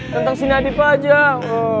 tentang sina dipajang